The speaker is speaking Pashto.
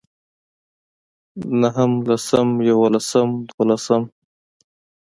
نهم لسم يولسم دولسم